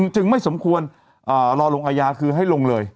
จึงไม่สมควรรอลงอายาคือให้ลงเลย